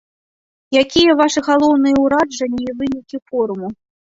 Якія вашы галоўныя ўражанні і вынікі форуму?